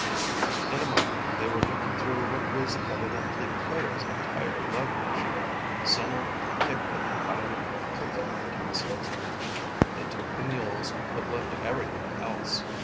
In a moment they were looking through what was evidently Ko's entire luggage. Sing kicked at a pile of cooking utensils. "They took the mules but left everything else."